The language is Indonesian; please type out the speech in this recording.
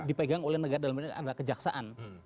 dipegang oleh negara dalam hal ini adalah kejaksaan